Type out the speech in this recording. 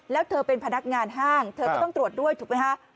แล้วเธอเป็นพนักงานห้างเธอก็ต้องตรวจด้วยถูกไหมคะ